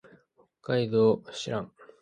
北海道歌志内市